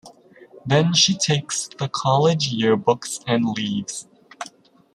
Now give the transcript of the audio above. Then she takes the college yearbooks and leaves.